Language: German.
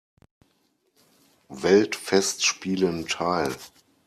Weltfestspielen teil.